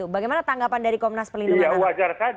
bagaimana tanggapan dari komnas perlindungan anak